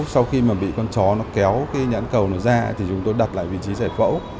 sau khi mà bị con chó nó kéo cái nhãn cầu nó ra thì chúng tôi đặt lại vị trí giải phẫu